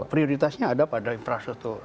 prioritasnya ada pada infrastruktur